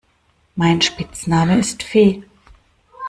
Mein Spitzname ist Fee.